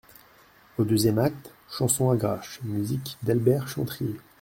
Au deuxième acte, chanson agrache, musique d’Albert Chantrier.